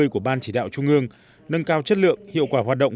của ban chỉ đạo trung ương nâng cao chất lượng hiệu quả hoạt động